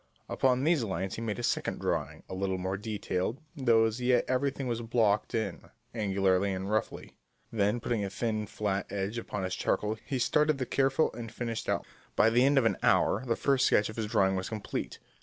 Upon these lines he made a second drawing a little more detailed, though as yet everything was blocked in, angularly and roughly. Then, putting a thin flat edge upon his charcoal, he started the careful and finished outline. By the end of an hour the first sketch of his drawing was complete.